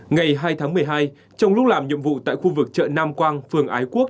ngày hai tháng một mươi hai trong lúc làm nhiệm vụ tại khu vực chợ nam quang phường ái quốc